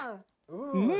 うん。